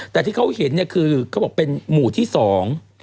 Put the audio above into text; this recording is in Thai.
แต่ที่เขาเห็นเนี่ยคือเขาบอกเป็นหมู่ที่สอง